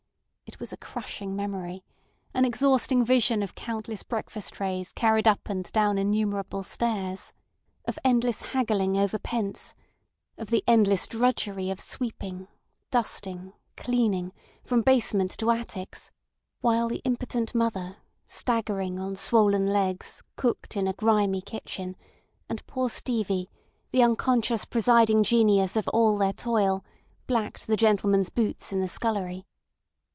It was a crushing memory, an exhausting vision of countless breakfast trays carried up and down innumerable stairs, of endless haggling over pence, of the endless drudgery of sweeping, dusting, cleaning, from basement to attics; while the impotent mother, staggering on swollen legs, cooked in a grimy kitchen, and poor Stevie, the unconscious presiding genius of all their toil, blacked the gentlemen's boots in the scullery.